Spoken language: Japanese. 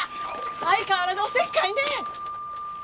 相変わらずおせっかいね！